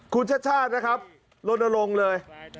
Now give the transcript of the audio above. คุณชชาร์นะครับลดลงเลย